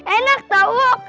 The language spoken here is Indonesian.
enak tau wok